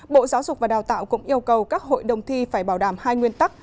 bộ giáo dục và đào tạo cũng yêu cầu các hội đồng thi phải bảo đảm hai nguyên tắc